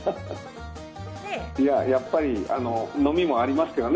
やっぱり、飲みもありますよね。